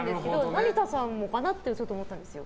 成田さんもかなって思ったんですよ。